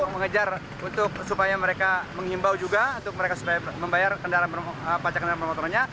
mengejar untuk supaya mereka menghimbau juga untuk mereka supaya membayar pajak kendaraan bermotornya